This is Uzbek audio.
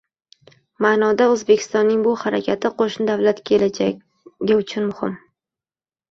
ma'noda O'zbekistonning bu harakati qo'shni davlatlar kelajagi uchun muhim